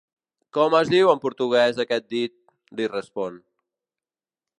Com es diu en portuguès aquest dit? —li respon.